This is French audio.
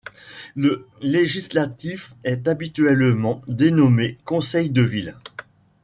Le législatif est habituellement dénommé conseil de Ville.